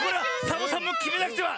サボさんもきめなくては！